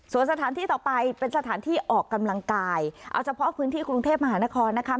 ส่วนสถานที่ต่อไปเป็นสถานที่ออกกำลังกายเอาเฉพาะพื้นที่กรุงเทพมหานครนะคะ